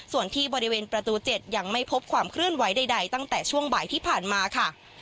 ส่วนที่บริเวณประตู๗ยังไม่พบความเคลื่อนไหวใดตั้งแต่ช่วงบ่ายที่ผ่านมาค่ะ